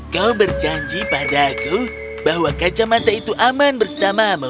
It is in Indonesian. kau berjanji padaku bahwa kacamata itu aman bersamamu